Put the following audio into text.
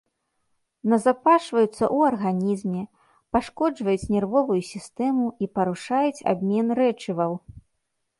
Назапашваюцца ў арганізме, пашкоджваюць нервовую сістэму і парушаюць абмен рэчываў.